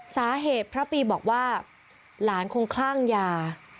สาเหตุพระปีบอกว่าหลานคงคลั่งยา